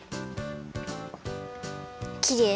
きれい。